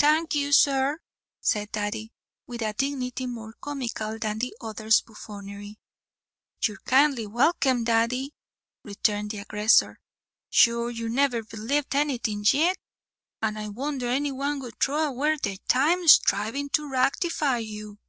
"Thank you, sir," said Daddy, with a dignity more comical than the other's buffoonery. "You're kindly welkim, Daddy," returned the aggressor. "Sure, you never blieved anything yit; and I wondher any one would throw away their time sthrivin' to rightify you."